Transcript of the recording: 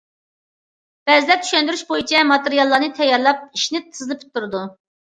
بەزىلەر چۈشەندۈرۈش بويىچە ماتېرىياللارنى تەييارلاپ، ئىشىنى تېزلا پۈتتۈرىدۇ.